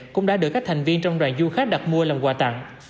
cũng đã được các thành viên trong đoàn du khách đặt mua làm quà tặng